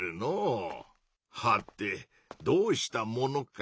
はてどうしたものか。